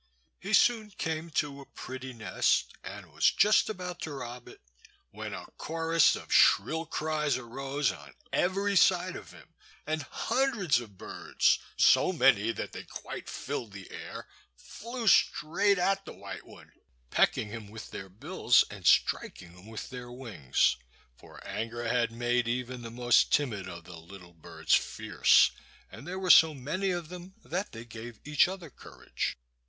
He soon came to a pretty nest, and was just about to rob it, when a chorus of shrill cries arose on every side of him and hundreds, of birds so many that they quite filled the air flew straight at the white one, pecking him with their bills and striking him with their wings; for anger had made even the most timid of the little birds fierce, and there were so many of them that they gave each other courage.